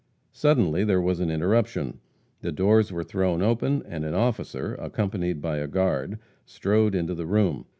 Suddenly there was an interruption. The doors were thrown open, and an officer, accompanied by a guard, strode into the room.